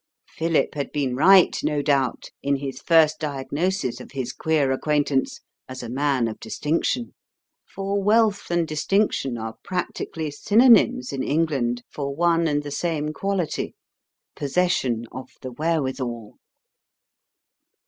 Philip had been right, no doubt, in his first diagnosis of his queer acquaintance as a man of distinction. For wealth and distinction are practically synonyms in England for one and the same quality, possession of the wherewithal.